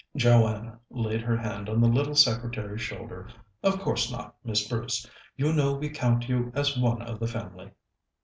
Joanna laid her hand on the little secretary's shoulder. "Of course not, Miss Bruce. You know we count you as one of the family."